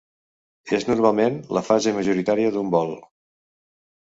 És normalment la fase majoritària d'un vol.